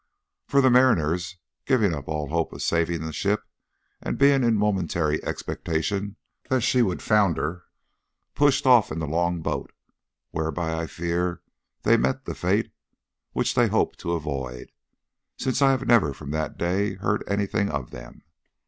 For the mariners, giving up all hope of saving the ship, and being in momentary expectation that she would founder, pushed off in the long boat, whereby I fear that they met the fate which they hoped to avoid, since I have never from that day heard anything of them.